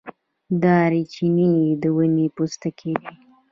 دارچینی د ونې پوستکی دی